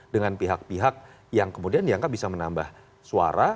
dengan pihak pihak yang kemudian dianggap bisa menambah suara